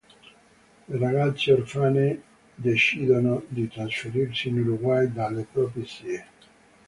Le ragazze orfane decidono di trasferirsi in Uruguay dalle proprie zie.